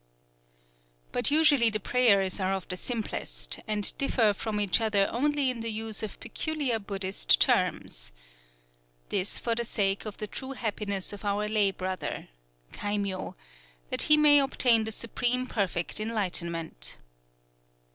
_" But usually the prayers are of the simplest, and differ from each other only in the use of peculiar Buddhist terms: "This for the sake of the true happiness of our lay brother [kaimyō], that he may obtain the Supreme Perfect Enlightenment."